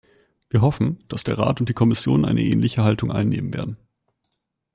Wir hoffen, dass der Rat und die Kommission eine ähnliche Haltung einnehmen werden.